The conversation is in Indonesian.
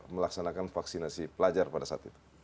melaksanakan vaksinasi pelajar pada saat itu